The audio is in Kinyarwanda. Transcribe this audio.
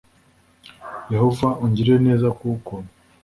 yehova ungirire neza kuko